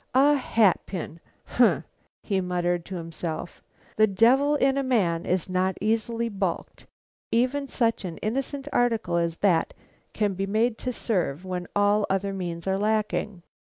A hat pin! humph!" he muttered to himself. "The devil in a man is not easily balked; even such an innocent article as that can be made to serve, when all other means are lacking."